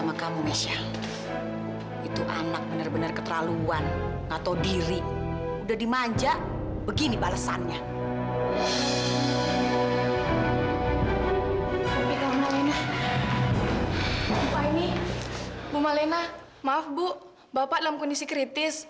maaf bu bapak dalam kondisi kritis